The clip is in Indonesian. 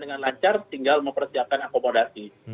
dan lancar tinggal mempersiapkan akomodasi